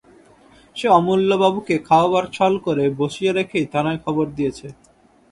সে অমূল্যবাবুকে খাওয়াবার ছল করে বসিয়ে রেখেই থানায় খবর দিয়েছে।